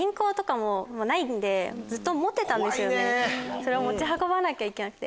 それを持ち運ばなきゃいけなくて。